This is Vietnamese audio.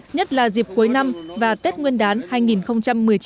nhất là dịp cuối năm và tết nguyên đán hai nghìn một mươi chín